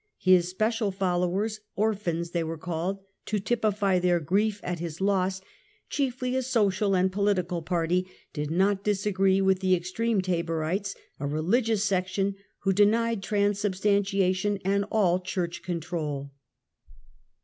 His special followers, " orphans " they were called to typify their grief at his loss, chiefly a social and political body, did not agree with the extreme Taborites, a religious section who denied transubstantia tion and all Church control.